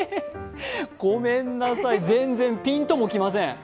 ごめんなさい、全然、ピンとも来ません。